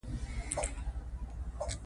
هغوی پخوا د علم په ارزښت نه پوهېدل.